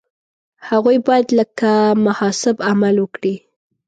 هغوی باید لکه محاسب عمل وکړي.